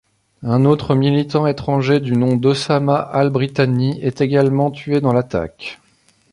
Un autre militant étranger du nom d'Osama al-Britani est également tué dans l'attaque.